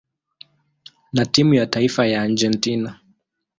na timu ya taifa ya Argentina.